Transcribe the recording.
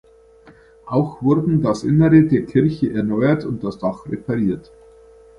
Auch wurden das Innere der Kirche erneuert und das Dach repariert.